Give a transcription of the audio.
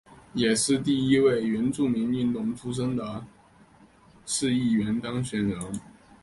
也是第一位原住民运动出身的市议员当选人。